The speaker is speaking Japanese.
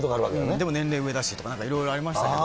でも年齢上だしとか、いろいろありましたけど。